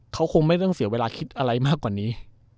เขาคงไม่ต้องเสียเวลาคิดอะไรมากกว่านี้